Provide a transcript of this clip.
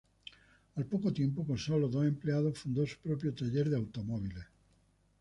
Al poco tiempo, con solo dos empleados, fundó su propio taller de automóviles.